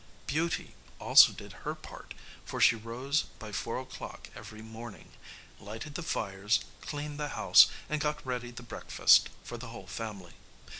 Beauty also did her part, for she rose by four o'clock every morning, lighted the fires, cleaned the house, and got ready the breakfast for the whole family.